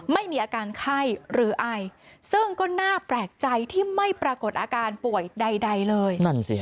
ไม่มีอาการไข้หรือไอซึ่งก็น่าแปลกใจที่ไม่ปรากฏอาการป่วยใดเลย